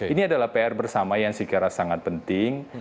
ini adalah pr bersama yang saya kira sangat penting